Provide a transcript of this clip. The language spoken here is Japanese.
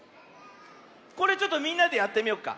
これちょっとみんなでやってみよっか。